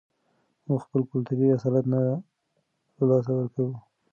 موږ خپل کلتوري اصالت نه له لاسه ورکوو.